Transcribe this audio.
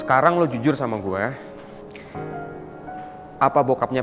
aku mau nungguin